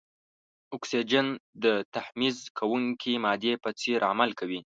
اکسیجن د تحمض کوونکې مادې په څېر عمل کوي.